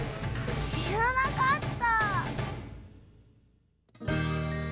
しらなかった！